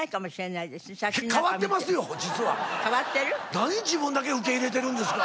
何自分だけ受け入れてるんですか。